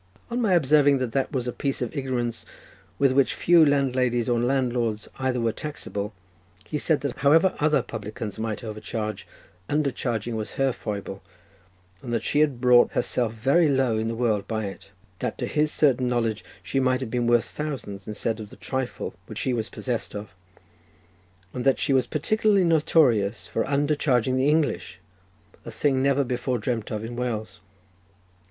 On my observing that that was a piece of ignorance with which few landladies, or landlords either, were taxable, he said that, however other publicans might overcharge, undercharging was her foible, and that she had brought herself very low in the world by it—that to his certain knowledge she might have been worth thousands instead of the trifle which she was possessed of, and that she was particularly notorious for undercharging the English, a thing never before dreamt of in Wales.